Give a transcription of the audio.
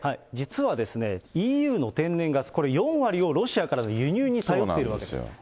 実はですね、ＥＵの天然ガス、これ、４割をロシアからの輸入に頼っているわけです。